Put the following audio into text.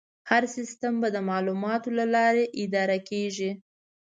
هر سیستم به د معلوماتو له لارې اداره کېږي.